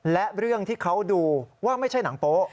และเรื่องที่เขาดูว่าไม่ใช่หนังโป๊ะ